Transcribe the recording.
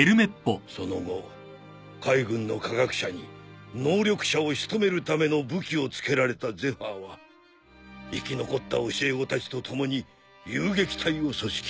その後海軍の科学者に能力者を仕留めるための武器をつけられたゼファーは生き残った教え子たちと共に遊撃隊を組織。